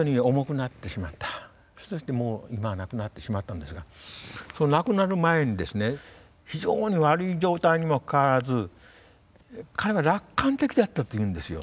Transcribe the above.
そしてもう今は亡くなってしまったんですが亡くなる前にですね非常に悪い状態にもかかわらず彼は楽観的であったというんですよ。